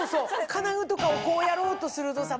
金具とかをこうやろうとするとさ